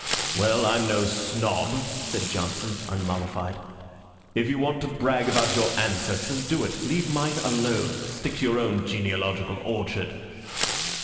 "Well, I'm no snob," said Johnson, unmollified. "If you want to brag about your ancestors, do it. Leave mine alone. Stick to your own genealogical orchard."